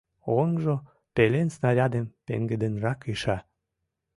Оҥжо пелен снарядым пеҥгыдынрак иша.